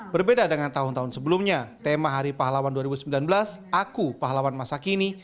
berbeda dengan tahun tahun sebelumnya tema hari pahlawan dua ribu sembilan belas aku pahlawan masa kini